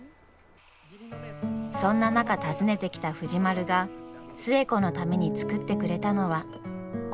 そんな中訪ねてきた藤丸が寿恵子のために作ってくれたのは。